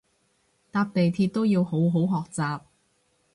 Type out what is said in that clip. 搭地鐵都要好好學習